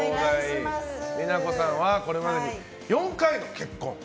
美奈子さんはこれまでに４回の結婚。